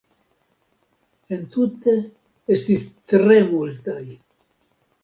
Entute estis tre multaj.